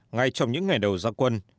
ngay trong những ngày đầu ra quân